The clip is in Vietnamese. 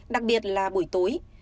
đặc biệt là buổi tối